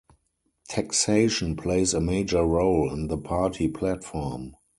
Taxation plays a major role in the party platform.